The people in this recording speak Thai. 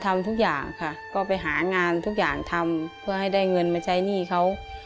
มาใช้หนี้ค่ะ